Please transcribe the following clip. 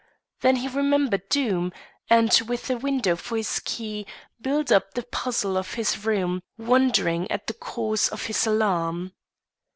Then he remembered Doom, and, with the window for his key, built up the puzzle of his room, wondering at the cause of his alarm.